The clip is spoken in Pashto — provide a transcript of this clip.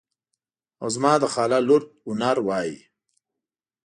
او زما د خاله لور هنر وایي.